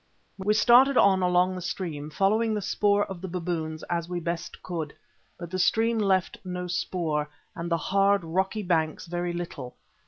We started on along the stream, following the spoor of the baboons as we best could. But the stream left no spoor, and the hard, rocky banks very little.